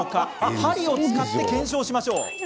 針を使って検証しましょう。